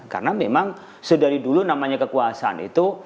karena memang sedari dulu namanya kekuasaan itu